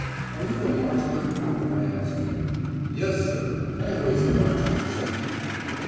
"Are you a marksman?" I asked him. "Yes, sir! Always a marksman, sir."